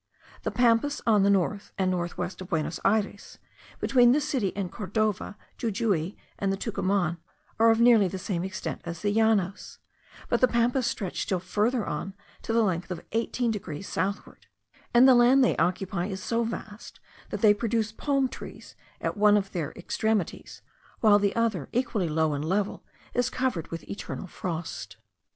The Pampas on the north and north west of Buenos Ayres, between this city and Cordova, Jujuy, and the Tucuman, are of nearly the same extent as the Llanos; but the Pampas stretch still farther on to the length of 18 degrees southward; and the land they occupy is so vast, that they produce palm trees at one of their extremities, while the other, equally low and level, is covered with eternal frost.